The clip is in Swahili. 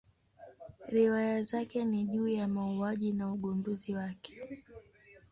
Riwaya zake ni juu ya mauaji na ugunduzi wake.